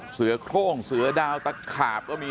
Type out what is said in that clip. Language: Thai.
เสือโครงเสือดาวตะขาบก็มี